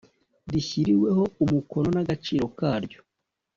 rishyiriweho umukono n Agaciro ka ryo